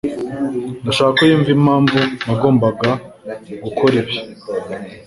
Ndashaka ko yumva impamvu nagombaga gukora ibi.